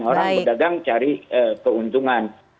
orang berdagang cari keuntungan